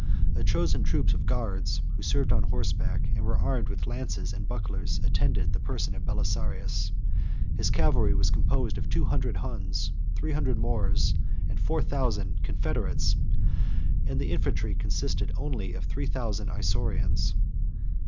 A chosen troop of guards, who served on horseback, and were armed with lances and bucklers, attended the person of Belisarius; his cavalry was composed of two hundred Huns, three hundred Moors, and four thousand confederates, and the infantry consisted of only three thousand Isaurians.